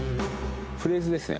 フレーズですね